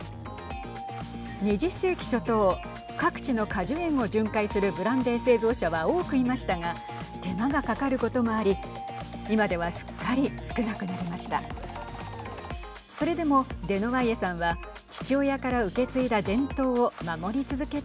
２０世紀初頭各地の果樹園を巡回するブランデー製造者は多くいましたが手間がかかることもあり今ではすっかり少なくなりました。